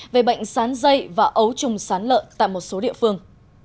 về bệnh sán dây và ấu trùng sán lợn tại một số địa phương